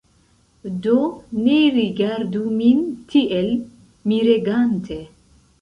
Do, ne rigardu min tiel miregante!